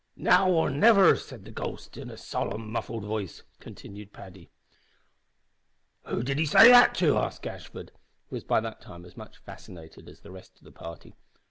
"`Now or niver,' said the ghost, in a solemn muffled vice," continued Paddy "Who did he say that to?" asked Gashford, who was by that time as much fascinated as the rest of the party.